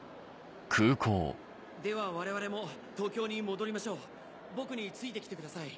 ・では我々も東京に戻りましょう・・僕について来てください